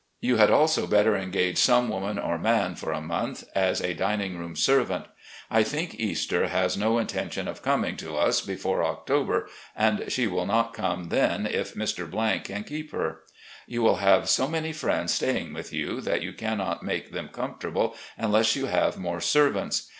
You had also better engage some woman or man for a month as a dining room servant. I think Easter has no intention of coming to us before October, and she will not come then if Mr. can keep her. You will have so many friends staying with you that you cannot make them comfortable unless you have more SCTvants.